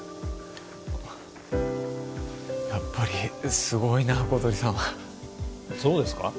やっぱりすごいな小鳥さんはそうですか？